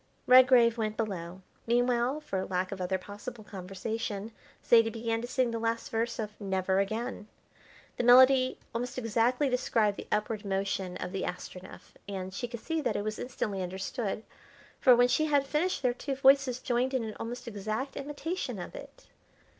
Redgrave went below. Meanwhile, for lack of other possible conversation, Zaidie began to sing the last verse of "Never Again." The melody almost exactly described the upward motion of the Astronef, and she could see that it was instantly understood, for when she had finished their two voices joined in an almost exact imitation of it.